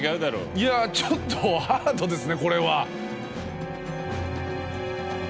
いやちょっとハードですねこれは。